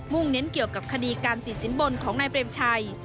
่งเน้นเกี่ยวกับคดีการติดสินบนของนายเปรมชัย